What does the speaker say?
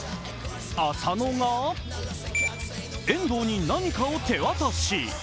浅野が遠藤に何かを手渡し。